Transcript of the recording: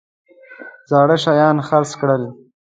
زاړه شیان خرڅ کړل.